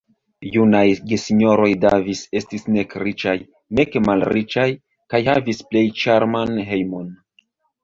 Junaj gesinjoroj Davis estis nek riĉaj, nek malriĉaj, kaj havis plej ĉarman hejmon.